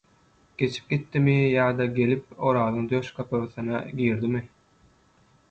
Geçip gitdimi ýa-da gelip Orazyň döş kapasasyna girdimi?